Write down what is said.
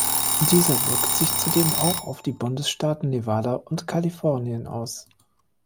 Dieser wirkt sich zudem auch auf die Bundesstaaten Nevada und Kalifornien aus.